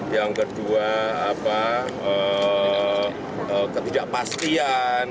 yang kedua ketidakpastian